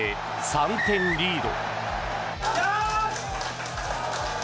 ３点リード。